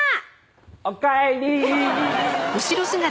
「おかえり！」